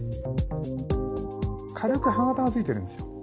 軽く歯形がついてるんですよ。